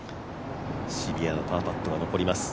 シビアなパーパットが残ります。